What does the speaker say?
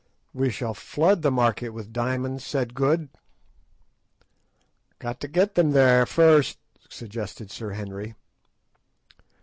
"We shall flood the market with diamonds," said Good. "Got to get them there first," suggested Sir Henry.